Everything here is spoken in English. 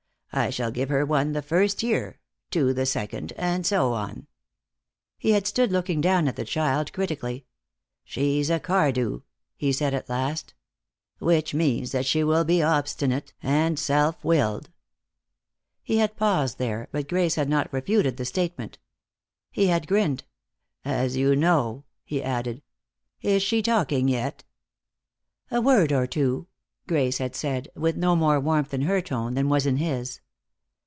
I shall give her one the first year, two the second, and so on." He had stood looking down at the child critically. "She's a Cardew," he said at last. "Which means that she will be obstinate and self willed." He had paused there, but Grace had not refuted the statement. He had grinned. "As you know," he added. "Is she talking yet?" "A word or two," Grace had said, with no more warmth in her tone than was in his.